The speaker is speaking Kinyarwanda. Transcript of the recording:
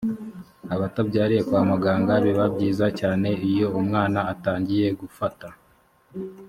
atabyariye kwa muganga biba byiza cyane iyo umwana atangiye gufata